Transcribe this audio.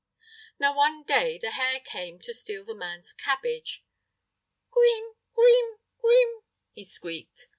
Now one day the hare came to steal the man's cabbage. "Kreem kreem kreem!" he squeaked.